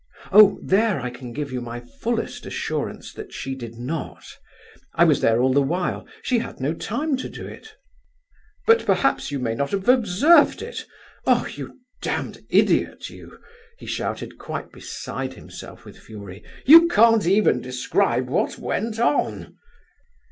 "Oh, there I can give you my fullest assurance that she did not. I was there all the while—she had no time to do it!" "But perhaps you may not have observed it, oh, you damned idiot, you!" he shouted, quite beside himself with fury. "You can't even describe what went on."